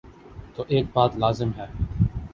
تو ایک بات لازم ہے۔